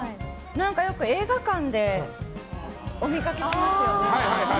何か、よく映画館でお見かけしますよね。